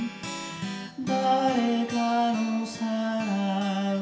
「誰かのさらう